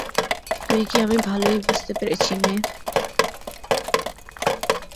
তুই কি আমি ভালোই বুঝতে পেরেছি, মেয়ে।